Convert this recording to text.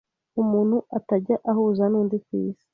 umuntu atajya ahuza n’undi ku isi